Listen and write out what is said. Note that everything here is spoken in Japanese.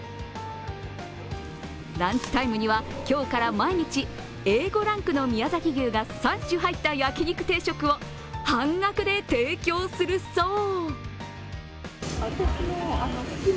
ランチタイムには、今日から毎日Ａ５ランクの宮崎牛が３種入った焼肉定食を半額で提供するそう。